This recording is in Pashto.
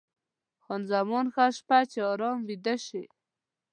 خان زمان: ښه شپه، چې ارام ویده شې.